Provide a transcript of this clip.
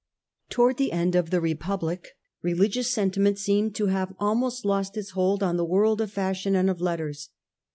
Towards the end of the Republic religious sentiment seemed to have almost lost its hold on the world ot fashion and of letters.